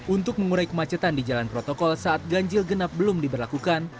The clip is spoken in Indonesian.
untuk mengurai kemacetan di jalan protokol saat ganjil genap belum diberlakukan